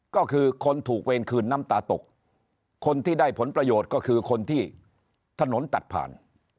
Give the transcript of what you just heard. ก็คือคนถูกเวรคืนน้ำตาตกคนที่ได้ผลประโยชน์ก็คือคนที่ถนนตัดผ่าน